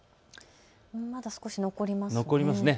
まだ少し残りますね。